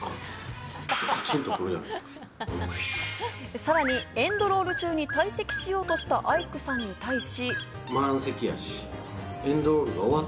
さらにエンドロール中に退席しようとしたアイクさんに対し。